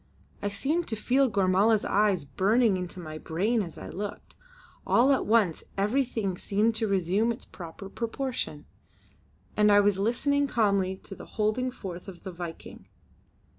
I seemed to feel Gormala's eyes burning into my brain as I looked. All at once everything seemed to resume its proper proportion, and I was listening calmly to the holding forth of the Viking.